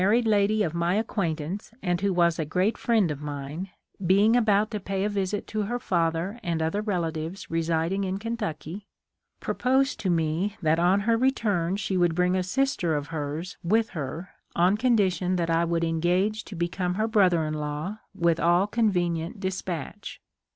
ried lady of my acquaintance and who was a great friend of mine, being about to pay a visit to her father and other relatives residing in Kentucky, proposed to me that on her return she would bring a sister of hers with her on condition that I would engage to become her brother in law with all con venient despatch.